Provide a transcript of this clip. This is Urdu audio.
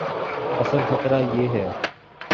اصل خطرہ یہ ہے۔